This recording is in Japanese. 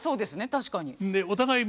確かに。